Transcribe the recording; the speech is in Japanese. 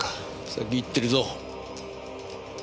先行ってるぞ。